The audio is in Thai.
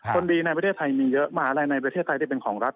คนดีในประเทศไทยมีเยอะมหาลัยในประเทศไทยที่เป็นของรัฐ